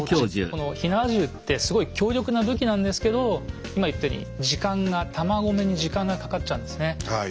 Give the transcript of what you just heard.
この火縄銃ってすごい強力な武器なんですけど今言ったように時間が弾込めに時間がかかっちゃうんですね。